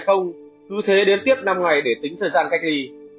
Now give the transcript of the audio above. cứ thế đến tiếp năm ngày để tính thời gian cách ly